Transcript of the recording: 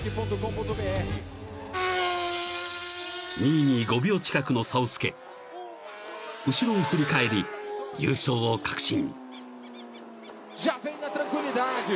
［２位に５秒近くの差をつけ後ろを振り返り優勝を確信］